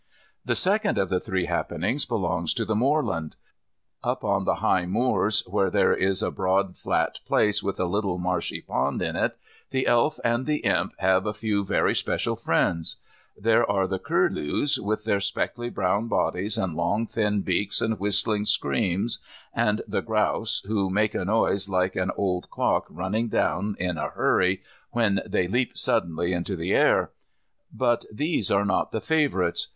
The second of the three happenings belongs to the moorland. Up on the high moors, where there is a broad flat place with a little marshy pond in it, the Elf and the Imp have a few very special friends. There are the curlews, with their speckly brown bodies and long thin beaks and whistling screams, and the grouse who make a noise like an old clock running down in a hurry when they leap suddenly into the air. But these are not the favourites.